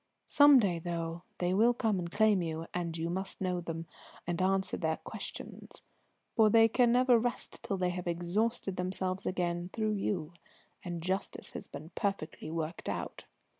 Some day, though, they will come and claim you, and you must know them, and answer their questions, for they can never rest till they have exhausted themselves again through you, and justice has been perfectly worked out.